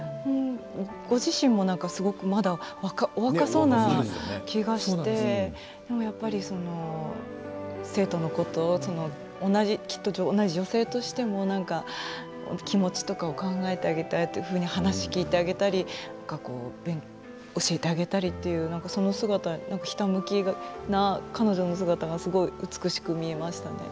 ご自身もすごくまだ若そうな気がして生徒のこと同じ女性としても気持ちとかを考えてあげたり話を聞いてあげたり勉強を教えてあげたりというそのひたむきな彼女の姿がすごく美しく見えました。